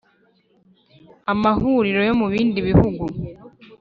amahuriro yo mu bindi bihugu